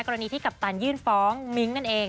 กรณีที่กัปตันยื่นฟ้องมิ้งนั่นเอง